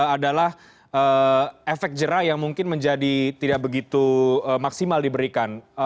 adalah efek jerah yang mungkin menjadi tidak begitu maksimal diberikan